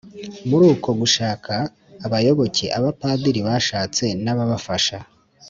muri uko gushaka abayoboke, abapadiri bashatse n'ababafasha